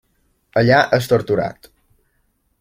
Allà és torturat.